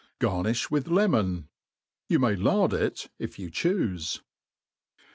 Oarnilh with lemoa« You Inay lard it, if you chufe. .